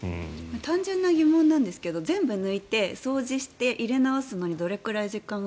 単純な疑問なんですが全部抜いて、掃除して入れ直すのにどれくらい時間が。